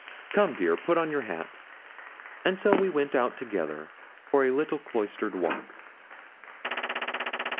Come, dear, put on your hat.' So we went out together for a little cloistered walk.